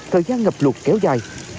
thời gian ngập lụt kéo dài